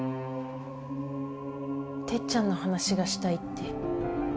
てっちゃんの話がしたいって。